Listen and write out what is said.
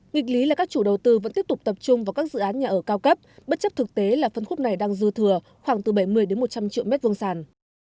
nghịch lý là các chủ đầu tư vẫn tiếp tục tập trung vào các dự án nhà ở cao cấp bất chấp thực tế là phân khúc này đang dư thừa khoảng từ bảy mươi một trăm linh triệu mét vuông sàn